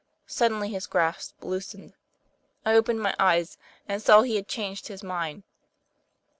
Suddenly his grasp loosened. I opened my eyes and saw he had changed his mind.